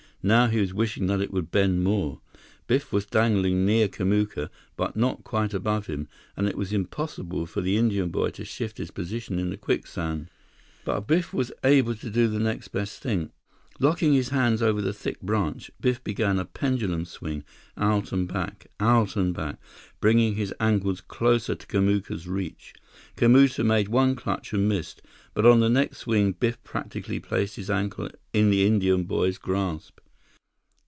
Now he was wishing that it would bend more. Biff was dangling near Kamuka, but not quite above him; and it was impossible for the Indian boy to shift his position in the quicksand. But Biff was able to do the next best thing. Locking his hands over the thick branch, Biff began a pendulum swing, out and back—out and back—bringing his ankles closer to Kamuka's reach. Kamuka made one clutch and missed, but on the next swing Biff practically placed his ankle in the Indian boy's grasp.